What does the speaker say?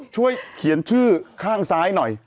ช่วยเขียนชื่อข้างซ้ายหน่อย